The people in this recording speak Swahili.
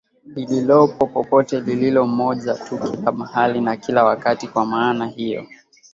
lililopo popote lililo moja tu kila mahali na kila wakati Kwa maana hiyo